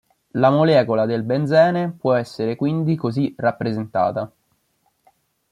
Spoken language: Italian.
La molecola del benzene può essere quindi così rappresentata.